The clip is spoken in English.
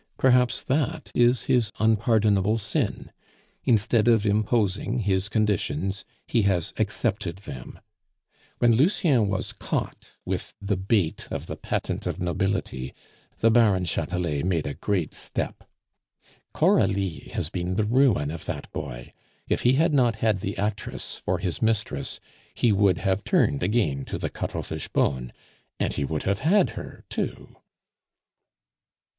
Perhaps that is his unpardonable sin. Instead of imposing his conditions, he has accepted them. When Lucien was caught with the bait of the patent of nobility, the Baron Chatelet made a great step. Coralie has been the ruin of that boy. If he had not had the actress for his mistress, he would have turned again to the Cuttlefish bone; and he would have had her too."